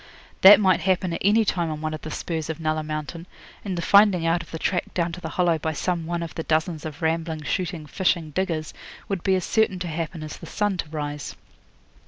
That might happen at any time on one of the spurs of Nulla Mountain; and the finding out of the track down to the Hollow by some one of the dozens of rambling, shooting, fishing diggers would be as certain to happen as the sun to rise.